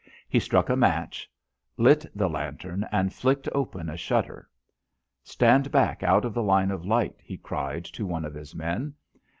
He struck a match, lit the lantern and flicked open a shutter. "Stand back out of the line of light," he cried to one of his men.